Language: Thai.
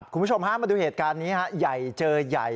คุณผู้ชมฮะมาดูเหตุการณ์นี้ฮะใหญ่เจอใหญ่